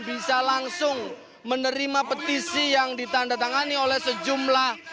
bisa langsung menerima petisi yang ditandatangani oleh sejumlah